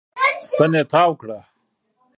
ستن يې تاو کړه.